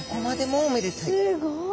すごい。